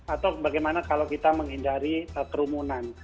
atau bagaimana kalau kita menghindari kerumunan